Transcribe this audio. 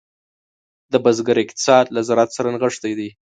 د بزګر اقتصاد له زراعت سره نغښتی دی.